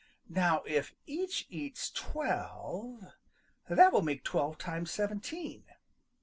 Now if each eats twelve, that will make twelve times seventeen."